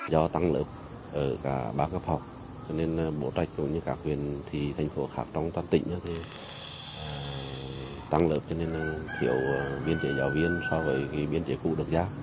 do tăng lớp ở cả ba cấp học cho nên bố trạch cũng như các huyện thị thành phố khác trong toàn tỉnh tăng lớp cho nên thiếu biên chế giáo viên so với biên chế cũ được giao